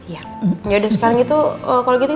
yaudah sekarang itu